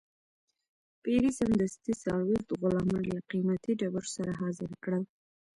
پیري سمدستي څلوېښت غلامان له قیمتي ډبرو سره حاضر کړل.